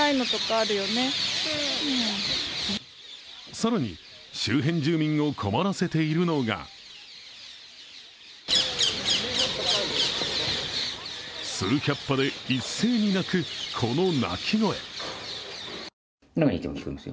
更に、周辺住民を困らせているのが数百羽で一斉に鳴くこの鳴き声。